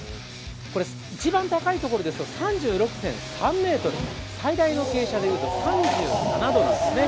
これ一番高いところですと３６．３ｍ、最大の傾斜でいうと３７度なんですね。